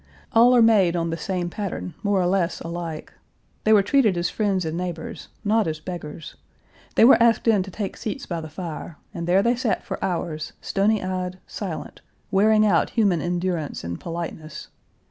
All are made on the same pattern, more or less alike. They were treated as friends and neighbors, not as beggars. They were asked in to take seats by the fire, and there they sat for hours, stony eyed, silent, wearing out human endurance and politeness.